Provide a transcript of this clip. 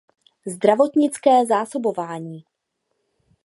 Zdravotnické zásobování.